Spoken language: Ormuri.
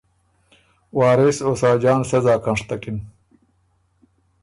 وارث او ساجان سۀ ځاک هںشتکِن